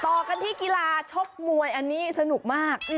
ต่อกันที่กีฬาชกมวยอันนี้สนุกมาก